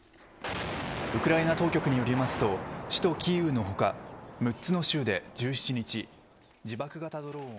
ウクライナ当局によりますと首都キーウの他６つの州で１７日自爆型ドローン。